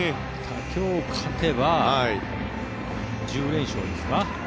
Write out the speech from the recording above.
今日、勝てば１０連勝ですか。